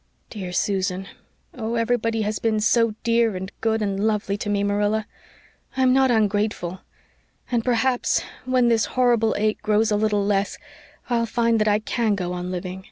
"Dear Susan! Oh, everybody has been so dear and good and lovely to me, Marilla. I'm not ungrateful and perhaps when this horrible ache grows a little less I'll find that I can go on living."